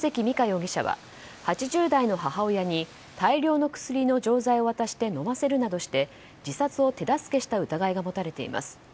容疑者は８０代の母親に大量の薬の錠剤を渡して飲ませるなどして自殺を手助けした疑いが持たれています。